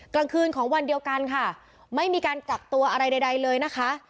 กลางคืนของวันเดียวกันค่ะไม่มีการกักตัวอะไรใดเลยนะคะ